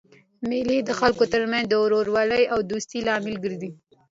مېلې د خلکو ترمنځ د ورورولۍ او دوستۍ لامل ګرځي.